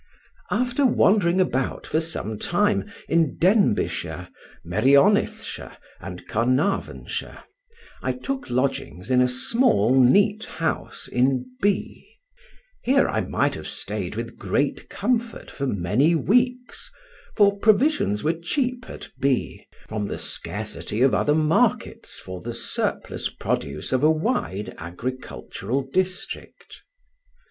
After wandering about for some time in Denbighshire, Merionethshire, and Carnarvonshire, I took lodgings in a small neat house in B——. Here I might have stayed with great comfort for many weeks, for provisions were cheap at B——, from the scarcity of other markets for the surplus produce of a wide agricultural district.